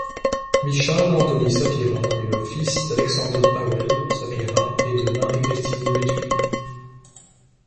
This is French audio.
Michał Antoni Sapieha est le fils d'Aleksander Paweł Sapieha et de Marie-Christine de Béthune.